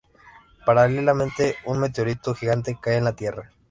Paralelamente un meteorito gigante cae en la tierra.